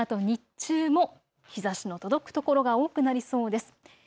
このあと日中も日ざしの届く所が多くなりそうです。